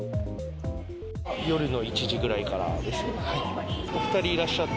夜の１時ぐらいからです。